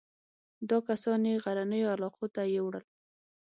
دا کسان یې غرنیو علاقو ته یووړل.